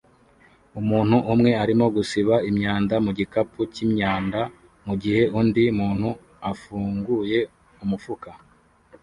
Umuntu umwe arimo gusiba imyanda mu gikapu cy'imyanda mu gihe undi muntu afunguye umufuka